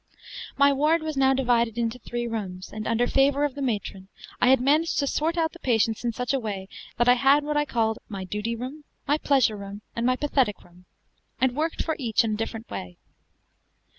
My ward was now divided into three rooms; and under favor of the matron, I had managed to sort out the patients in such a way that I had what I called my "duty room," my "pleasure room," and my "pathetic room," and worked for each in a different way.